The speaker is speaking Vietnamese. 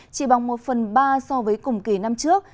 chỉ bằng một phần ba so với cùng kỳ năm trước